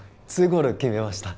２ゴール決めました